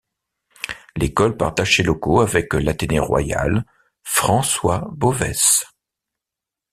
L'École partage ses locaux avec l'Athénée royal François Bovesse.